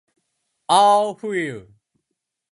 ahfuhiu